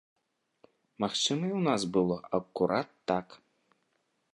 Магчыма, і ў нас было акурат так.